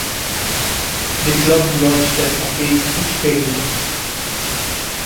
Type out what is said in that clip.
The club lodged an appeal which failed.